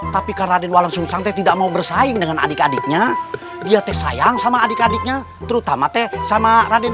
tapi karena adik adiknya dia teh sayang sama adik adiknya terutama teh sama raden